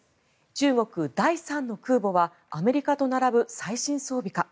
中国の第３の空母はアメリカと並ぶ最新装備か。